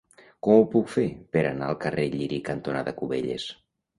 Com ho puc fer per anar al carrer Lliri cantonada Cubelles?